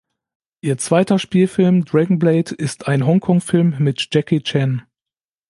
Ihr zweiter Spielfilm "Dragon Blade" ist ein Hongkong-Film mit Jackie Chan.